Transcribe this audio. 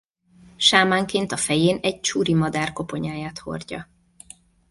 Sámánként a fején egy churi madár koponyáját hordja.